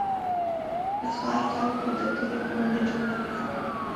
د ښار خلکو د کلي غونډه جوړه کړه.